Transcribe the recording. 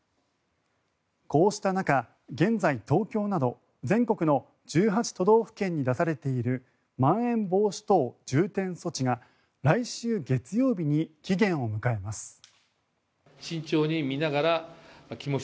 こうした中、現在、東京など全国の１８都道府県に出されているまん延防止等重点措置が来週月曜日に期限を迎えます。